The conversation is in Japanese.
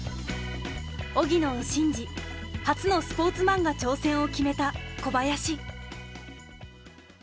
荻野を信じ初のスポーツマンガ挑戦を決めた小林。